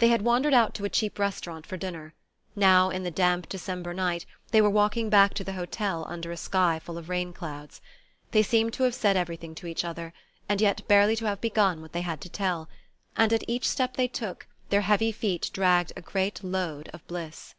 They had wandered out to a cheap restaurant for dinner; now, in the damp December night, they were walking back to the hotel under a sky full of rain clouds. They seemed to have said everything to each other, and yet barely to have begun what they had to tell; and at each step they took, their heavy feet dragged a great load of bliss.